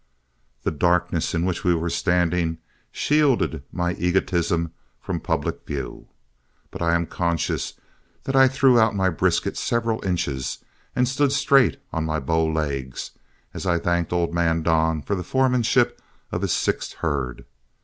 The darkness in which we were standing shielded my egotism from public view. But I am conscious that I threw out my brisket several inches and stood straight on my bow legs as I thanked old man Don for the foremanship of his sixth herd.